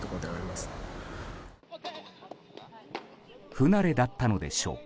不慣れだったのでしょうか。